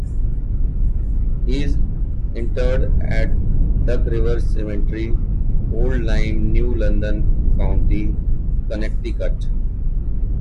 He is interred at Duck River Cemetery, Old Lyme, New London County, Connecticut.